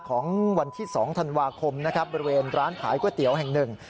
ของวันที่๒ธันวาคมนะครับบริเวณร้านขายก๋วยเตี๋ยวแห่งหนึ่ง